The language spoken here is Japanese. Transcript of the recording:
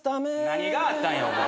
何があったんやお前。